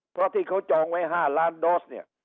เพราะที่เขาจองไว้๕ล้านโดสเนี่ย